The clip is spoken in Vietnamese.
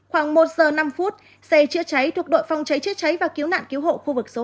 khoảng một h năm xe chữa cháy thuộc đội phòng cháy chữa cháy và cứu nạn cứu hộ khu vực số hai